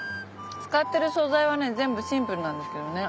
使ってる素材は全部シンプルなんですけどね。